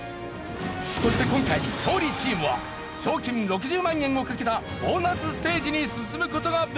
そして今回勝利チームは賞金６０万円を懸けたボーナスステージに進む事ができる。